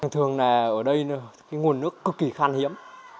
thường thường là ở đây nè cái nguồn nước cực kỳ khan hiếm